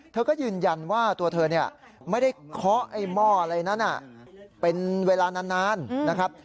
เธอก็ยืนยันว่าตัวเธอเนี่ยไม่ได้เคาะไอ้หม้ออะไรนั้นเป็นเวลานานนะครับ